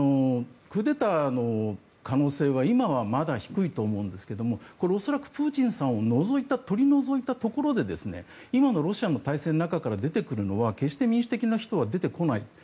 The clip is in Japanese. クーデターの可能性は今はまだ低いと思うんですが恐らくプーチンさんを取り除いたところで今のロシアの体制の中から出てくるのは決して民主的な人は出てこない。